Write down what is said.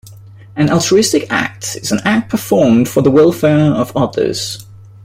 An altruistic act is an act performed for the welfare of others.